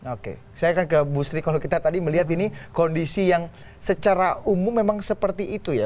oke saya akan ke bu sri kalau kita tadi melihat ini kondisi yang secara umum memang seperti itu ya